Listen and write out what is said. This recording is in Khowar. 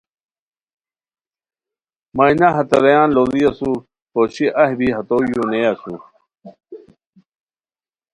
مینا ہتے رویان لوڑی اسور پوشی ایھ بی ہتو یو نیئے اسور